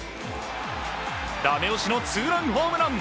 ダメ押しのツーランホームラン！